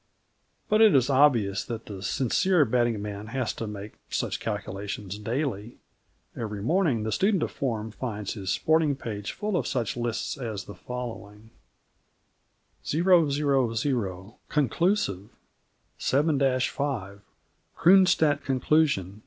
But it is obvious that the sincere betting man has to make such calculations daily. Every morning the student of form finds his sporting page full of such lists as the following: 0 0 0 CONCLUSIVE (7 5), Kroonstad Conclusion.